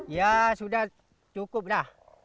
ya sudah cukup lah